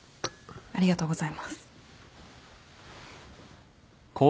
ありがとうございます。